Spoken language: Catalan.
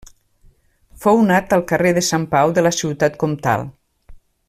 Fou nat al carrer de Sant Pau de la ciutat comtal.